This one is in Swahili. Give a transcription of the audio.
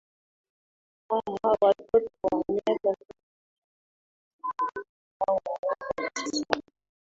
aah watoto wa miaka kumi na miwili au miaka tisa